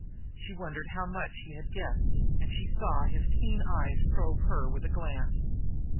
She wondered how much he guessed, and she saw his keen eyes probe her with a glance.